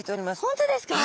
本当ですか？